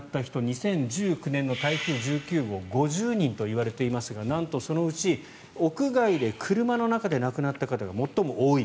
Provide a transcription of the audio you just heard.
２０１９年の台風１９号５０人といわれていますがなんとそのうち屋外で車の中で亡くなった方が最も多い。